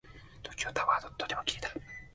東京タワーはとても綺麗だ。